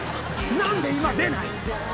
何で今出ない！